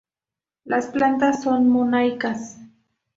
Las plantas son monoicas.